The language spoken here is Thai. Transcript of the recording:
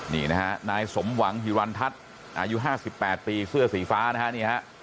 นี่นะฮะนายสมหวังฮิรันทัศน์อายุ๕๘ปีเสื้อสีฟ้านะฮะนี่ฮะ